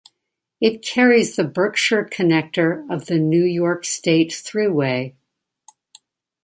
It carries the Berkshire Connector of the New York State Thruway.